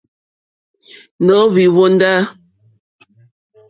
Nǒhwì hwóndá.